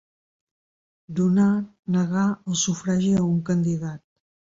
Donar, negar, el sufragi a un candidat.